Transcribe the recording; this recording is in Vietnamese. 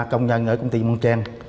công nhân ở công ty mông trang